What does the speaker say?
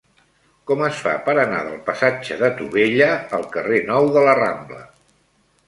Com es fa per anar del passatge de Tubella al carrer Nou de la Rambla?